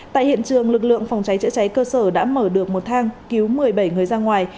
tại hiện trường lực lượng phòng cháy chữa cháy cơ sở đã mở được một thang cứu một mươi bảy người ra ngoài